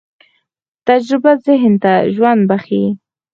تجربه ذهن ته ژوند بښي.